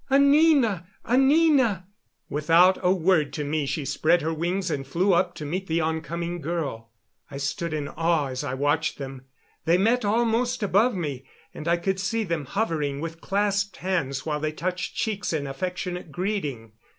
"Anina! Anina!" Without a word to me she spread her wings and flew up to meet the oncoming girl. I stood in awe as I watched them. They met almost above me, and I could see them hovering with clasped hands while they touched cheeks in affectionate greeting.